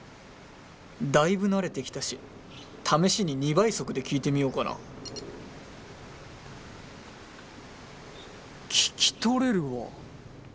だいぶ慣れてきたし試しに２倍速で聞いてみようかな聞き取れるわ。